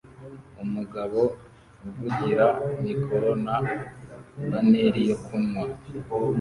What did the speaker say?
Umugabo uvugira mikoro na banneri yo kunywa